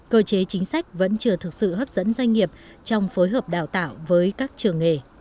cơ chế chính sách vẫn chưa thực sự hấp dẫn doanh nghiệp trong phối hợp đào tạo với các trường nghề